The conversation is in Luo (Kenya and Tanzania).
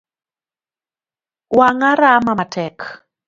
Wanga rama matek.